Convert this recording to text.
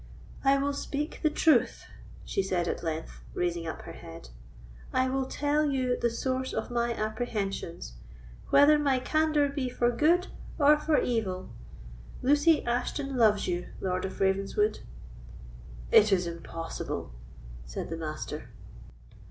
"I will speak the truth," she said at length, raising up her head—"I will tell you the source of my apprehensions, whether my candour be for good or for evil. Lucy Ashton loves you, Lord of Ravenswood!" "It is impossible," said the Master.